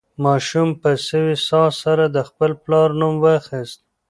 ماشوم په سوې ساه سره د خپل پلار نوم واخیست.